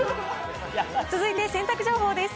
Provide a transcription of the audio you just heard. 続いて洗濯情報です。